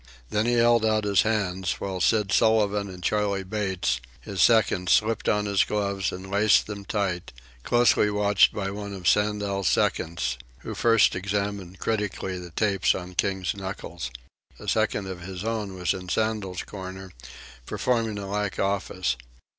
Then he held out his hands, while Sid Sullivan and Charley Bates, his seconds, slipped on his gloves and laced them tight, closely watched by one of Sandel's seconds, who first examined critically the tapes on King's knuckles. A second of his own was in Sandel's corner, performing a like office.